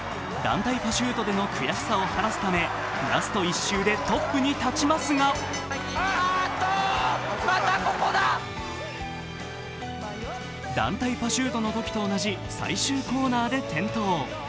団体パシュートでの悔しさを晴らすためラスト１周でトップに立ちますが団体パシュートのときと同じ最終コーナーで転倒。